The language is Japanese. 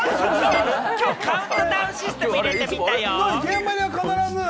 カウントダウンシステム、入れてみたよ。